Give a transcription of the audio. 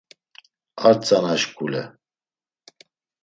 Ar tzana şǩule.